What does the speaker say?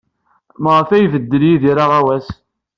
Maɣef ay ibeddel Yidir aɣawas?